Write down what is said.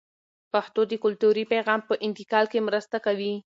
پښتو د کلتوري پیغام په انتقال کې مرسته کوي.